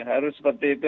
harus seperti itu